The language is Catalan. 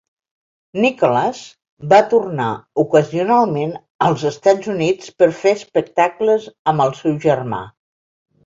Nicholas va tornar ocasionalment als Estats Units per fer espectacles amb el seu germà.